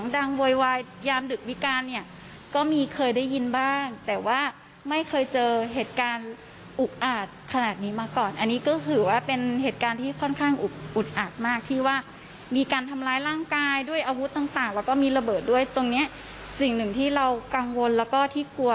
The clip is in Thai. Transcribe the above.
ด้วยอาวุธต่างแล้วก็มีระเบิดด้วยตรงนี้สิ่งหนึ่งที่เรากังวลแล้วก็ที่กลัว